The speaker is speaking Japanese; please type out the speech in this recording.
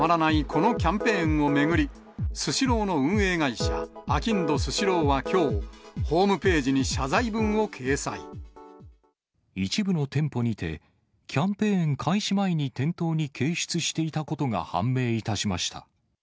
このキャンペーンを巡り、スシローの運営会社、あきんどスシローはきょう、ホームページに一部の店舗にて、キャンペーン開始前に店頭に掲出していたことが判明いたしました。